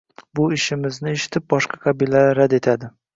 Bu ishimizni eshitib boshqa qabilalar rad etadi.